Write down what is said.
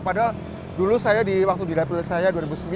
padahal dulu saya di waktu di dapil saya dua ribu sembilan